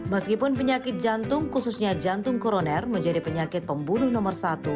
meskipun penyakit jantung khususnya jantung koroner menjadi penyakit pembunuh nomor satu